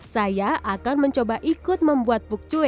saya akan mencoba ikut membuat puk cue